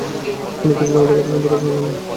তিনি কিছুতেই আমাদের কথা শুনতে রাজি হলেন না।